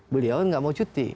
beliau kan gak mau cuti